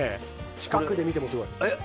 近くで見てもすごい。